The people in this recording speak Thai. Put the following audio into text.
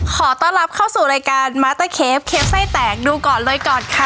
ขอต้อนรับเข้าสู่รายการม้าเตอร์เคฟเคสไส้แตกดูก่อนเลยก่อนค่ะ